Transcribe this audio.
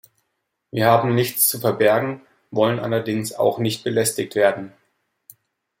Wir haben nichts zu verbergen, wollen allerdings auch nicht belästigt werden.